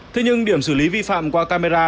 thế nhưng điểm xử lý vi phạm qua camera